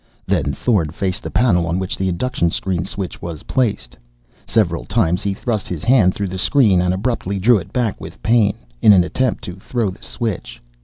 Then Thorn faced the panel on which the induction screen switch was placed. Several times he thrust his hand through the screen and abruptly drew it back with pain, in an attempt to throw the switch.